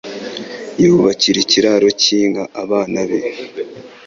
yubakira ikiraro cy'inka abana be